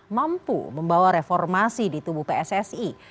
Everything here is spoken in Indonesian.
mampu membawa reformasi di tubuh pssi